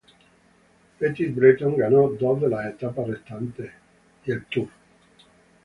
Petit-Breton ganó dos de las etapas restantes, y el Tour.